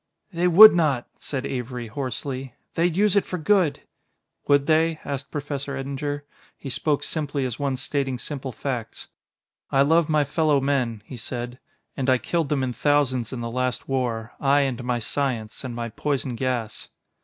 "They would not," said Avery hoarsely; "they'd use it for good." "Would they?" asked Professor Eddinger. He spoke simply as one stating simple facts. "I love my fellow men," he said, "and I killed them in thousands in the last war I, and my science, and my poison gas."